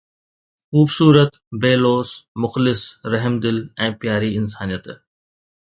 خوبصورت، بي لوث، مخلص، رحمدل ۽ پياري انسانيت.